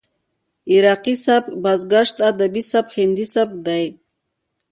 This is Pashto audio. عراقي سبک، بازګشت ادبي سبک، هندي سبک دى.